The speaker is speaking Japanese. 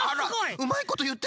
うまいこといってる！